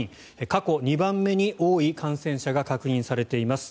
過去２番目に多い感染者が確認されています。